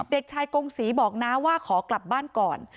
เด็กชายกงศรีบอกน้าว่าขอกลับบ้านก่อน